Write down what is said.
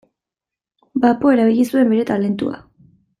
Bapo erabili zuen bere talentua.